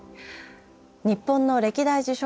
日本の歴代受賞